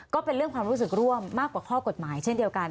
ก็เป็นเรื่องความรู้สึกร่วมมากกว่าข้อกฎหมายเช่นเดียวกัน